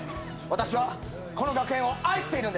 私はこの学園を愛しているんです。